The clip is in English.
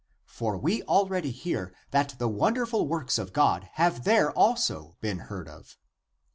For we already hear that the wonderful works of God have there also been heard of."